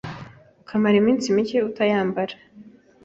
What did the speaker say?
ukamara iminsi mike utayambara